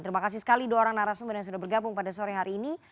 terima kasih sekali dua orang narasumber yang sudah bergabung pada sore hari ini